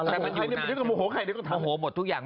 แต่มันอยู่นานโมโหหมดทุกอย่าง